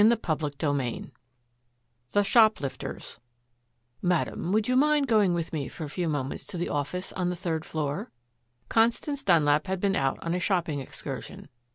CHAPTER IX THE SHOPLIFTERS "Madam, would you mind going with me for a few moments to the office on the third floor?" Constance Dunlap had been out on a shopping excursion.